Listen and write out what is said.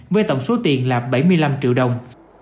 với tổng số tiền là bảy mươi năm triệu đồng